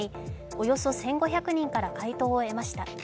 およそ１５００人から回答を得ました。